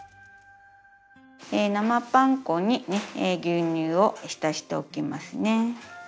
生パン粉に牛乳を浸しておきますね。